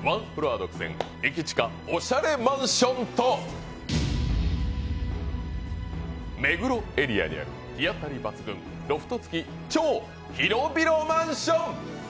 超便利な駅近おしゃれマンションと目黒エリアにある日当たり抜群ロフト付き超広々マンション。